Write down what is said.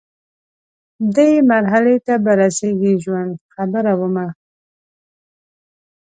دې مرحلې ته به رسیږي ژوند، خبره ومه